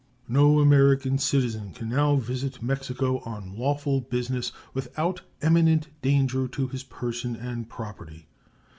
No American citizen can now visit Mexico on lawful business without imminent danger to his person and property.